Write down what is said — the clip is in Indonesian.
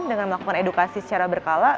dengan melakukan edukasi secara berkala